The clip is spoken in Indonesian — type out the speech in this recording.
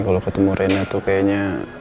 kalo ketemu rina tuh kayaknya